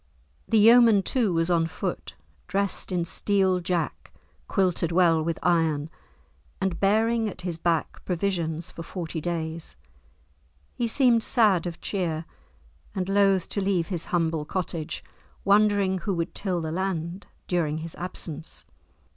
The yeoman, too, was on foot, dressed in steel jack quilted well with iron, and bearing at his back, provisions for forty days. He seemed sad of cheer, and loth to leave his humble cottage, wondering who would till the land during his absence.